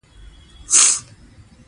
د ناک ونې ډیر نازک طبیعت لري.